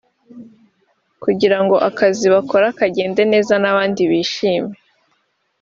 kugira ngo akazi bakora kagende neza n’abandi bishime